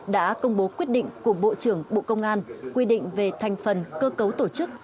đã công bố quyết định của bộ trưởng bộ công an quy định về thành phần cơ cấu tổ chức